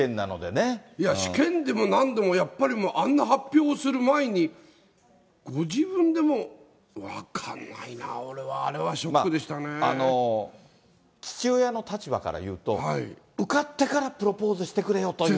試験でもなんでも、やっぱりあんな発表をする前に、ご自分でも分かんないな、俺は、あれはシ父親の立場からいうと、受かってからプロポーズしてくれよという。